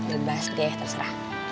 lo bahas deh terserah